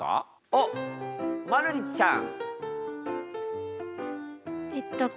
あっまるりちゃん。